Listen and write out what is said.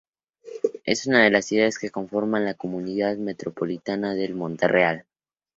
Es una de las ciudades que conforman la Comunidad metropolitana de Montreal.